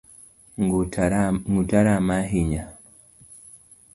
Nguta rama ahinya